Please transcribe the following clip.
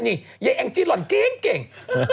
นี่ไอ้เอ็งจี้รรรดิเก่งเก่ง